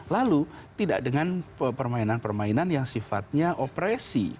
lalu tidak dengan permainan permainan yang sifatnya operasi